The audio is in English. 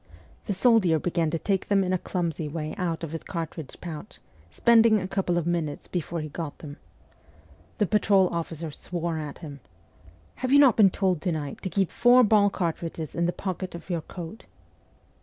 ' The soldier began to take them in a clumsy way out of his cartridge pouch, spending a couple of minutes before he got them. The patrol officer swore at him. ' Have you not been told to night to keep four ball cartridges in the pocket of your coat